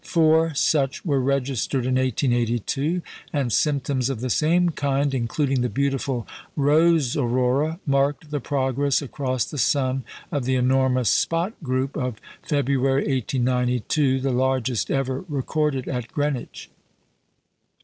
Four such were registered in 1882; and symptoms of the same kind, including the beautiful "Rose Aurora," marked the progress across the sun of the enormous spot group of February, 1892 the largest ever recorded at Greenwich.